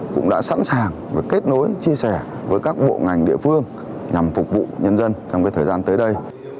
cũng đã sẵn sàng và kết nối chia sẻ với các bộ ngành địa phương nhằm phục vụ nhân dân trong thời gian tới đây